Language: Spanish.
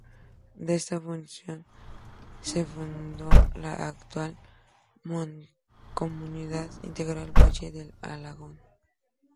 De esta fusión se fundó la actual Mancomunidad Integral Valle del Alagón.